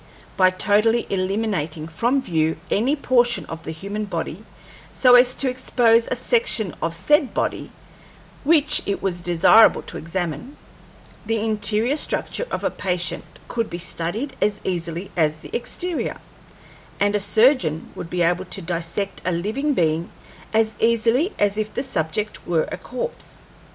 By totally eliminating from view any portion of the human body so as to expose a section of said body which it was desirable to examine, the interior structure of a patient could be studied as easily as the exterior, and a surgeon would be able to dissect a living being as easily as if the subject were a corpse.